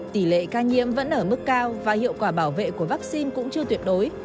tỷ lệ ca nhiễm vẫn ở mức cao và hiệu quả bảo vệ của vaccine cũng chưa tuyệt đối